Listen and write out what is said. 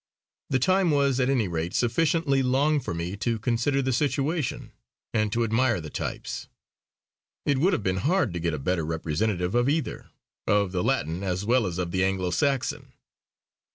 The time was at any rate sufficiently long for me to consider the situation, and to admire the types. It would have been hard to get a better representative of either, of the Latin as well as of the Anglo Saxon.